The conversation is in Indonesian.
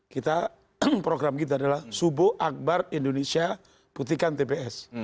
kita program kita adalah subuh akbar indonesia putihkan tps